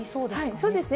そうですね。